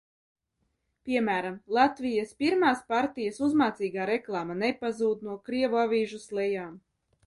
Piemēram, Latvijas Pirmās partijas uzmācīgā reklāma nepazūd no krievu avīžu slejām.